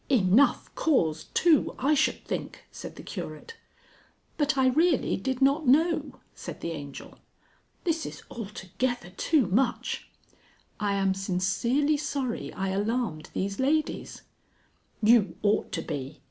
"Enough cause too, I should think!" said the Curate. "But I really did not know," said the Angel. "This is altogether too much!" "I am sincerely sorry I alarmed these ladies." "You ought to be.